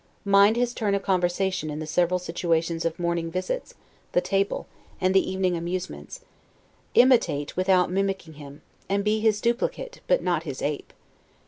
Mind his turn of conversation in the several situations of morning visits, the table, and the evening amusements. Imitate, without mimicking him; and be his duplicate, but not his ape.